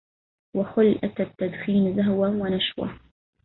وخل أتى التدخين زهوا ونشوة